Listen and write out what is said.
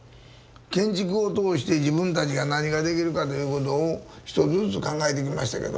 建築を通して自分たちが何ができるかということを一つずつ考えてきましたけども。